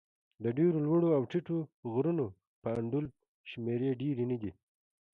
د ډېرو لوړو او ټیټو غرونو په انډول شمېرې ډېرې نه دي.